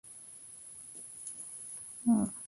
Heredó la belleza de su madre Barbara Kola.